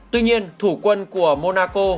tuy nhiên thủ quân của monaco